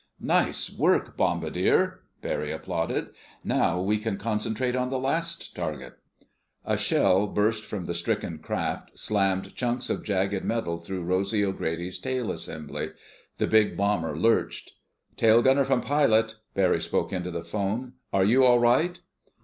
"Nice work, bombardier!" Barry applauded. "Now we can concentrate on the last target." A shell burst from the stricken craft slammed chunks of jagged metal through Rosy's tail assembly. The big bomber lurched. "Tail gunner from pilot:" Barry spoke into the phone. "Are you all right?"